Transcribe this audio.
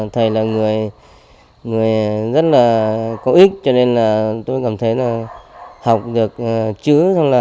thầy là người rất là có ích cho nên là tôi cảm thấy là học được chữ